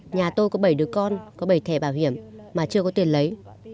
nhà tôi có bảy đứa con có bảy thẻ bảo hiểm mà chưa có tiền lấy